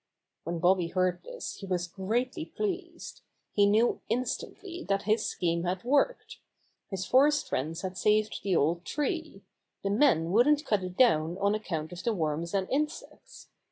When Bobby heard this he was greatly pleased. He knew instantly that his scheme had worked. His forest friends had saved the old tree. The men wouldn't cut it down on account of the worms and insects.